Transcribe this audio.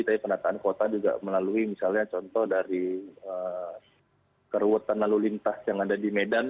tapi penataan kota juga melalui misalnya contoh dari keruetan lalu lintas yang ada di medan